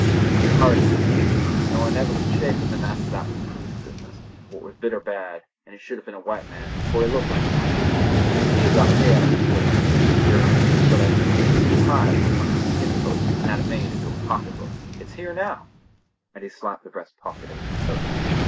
He was a hard citizen, and though I never could shake with him after that papoose business—for it was bitter bad, and he should have been a white man, for he looked like one—I see he had got paid out in full. Durn me, but I took a piece of his hide from one of his skinnin' posts an' had it made into a pocket book. It's here now!" and he slapped the breast pocket of his coat.